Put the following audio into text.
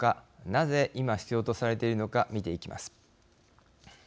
なぜ今必要とされているのか見ていきます。